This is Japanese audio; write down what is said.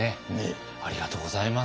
ありがとうございます。